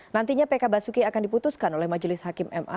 nantinya pk basuki akan diputuskan oleh majelis hakim ma